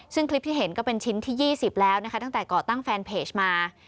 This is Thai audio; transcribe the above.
ซึ่งคลิปที่เห็นก็เป็นชิ้นที่๒๐แล้วนะคะตั้งแต่ก่อตั้งแฟนเพจมา